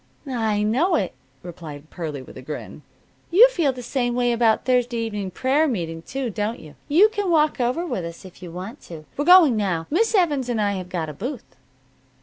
"I know it," replied Pearlie, with a grin. "You feel the same way about Thursday evening prayer meeting too, don't you? You can walk over with us if you want to. We're going now. Miss Evans and I have got a booth."